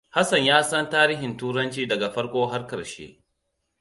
Hassan ya san tarihin Turanci daga farko har ƙarshe.